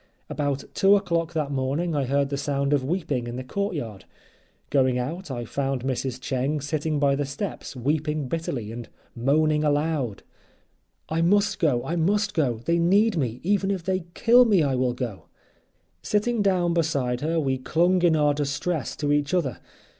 About 2 o'clock that morning I heard the sound of weeping in the courtyard; going out I found Mrs. Cheng sitting by the steps weeping bitterly, and moaning aloud: "I must go, I must go; they need me, even if they kill me I will go." Sitting down beside her we clung in our distress to each other.